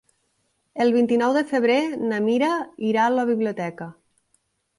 El vint-i-nou de febrer na Mira irà a la biblioteca.